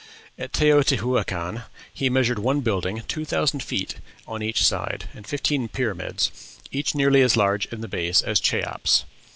At Teotihuacan he measured one building two thousand feet wide on each side, and fifteen pyramids, each nearly as large in the base as Cheops.